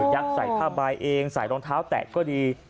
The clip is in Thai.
ยักษ์ใส่ผ้าบายเองใส่รองเท้าแตกก็ดี